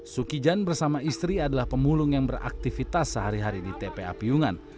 sukijan bersama istri adalah pemulung yang beraktifitas sehari hari di tpa piyungan